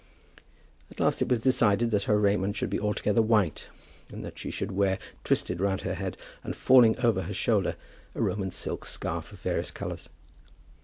At last it was decided that her raiment should be altogether white, and that she should wear, twisted round her head and falling over her shoulder, a Roman silk scarf of various colours.